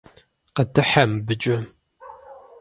Къыдыхьэ мыбыкӀэ.